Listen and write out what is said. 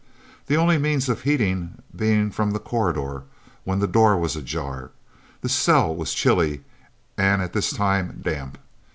The only means of heating being from the corridor, when the door was ajar, the cell was chilly and at this time damp.